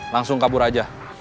langsung kabur aja